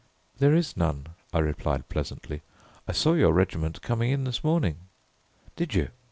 "There is none," I replied pleasantly. "I saw your regiment coming in this morning." "Did you?